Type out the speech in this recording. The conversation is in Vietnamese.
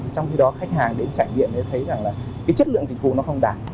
trong khi đó khách hàng đến trải nghiệm thấy rằng là cái chất lượng dịch vụ nó không đáng